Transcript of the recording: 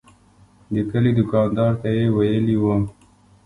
د کلي دوکاندار ته یې ویلي و.